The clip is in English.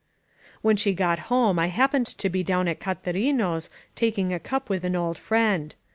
"When she got home I happened to be down at Ca tarino's taking a cup with an old friend.